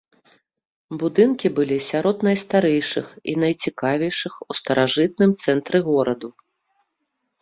Будынкі былі сярод найстарэйшых і найцікавейшых у старажытным цэнтры гораду.